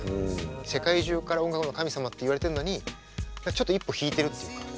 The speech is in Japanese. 世界中から音楽の神様っていわれてるのにちょっと一歩引いてるっていうか。